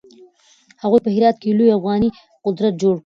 هغوی په هرات کې يو لوی افغاني قدرت جوړ کړ.